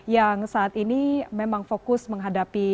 yang saat ini memang fokus menghadapi